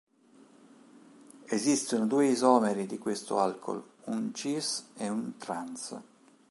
Esistono due isomeri di questo alcol, un "cis" e un "trans".